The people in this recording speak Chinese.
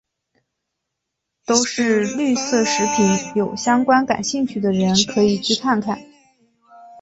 都是绿色食品有相关感兴趣的人可以去看看。